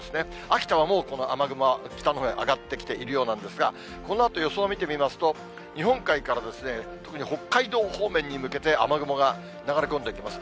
秋田はもうこの雨雲は北のほうへ上がってきているようなんですが、このあと予想見てみますと、日本海から特に北海道方面に向けて、雨雲が流れ込んでいきます。